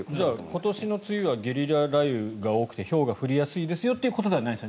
今年の梅雨はゲリラ雷雨が多くてひょうが降りやすいですよということではない。